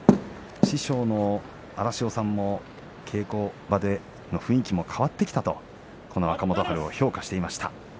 師匠の荒汐さんも稽古場で雰囲気も変わってきたと若元春を評価していました。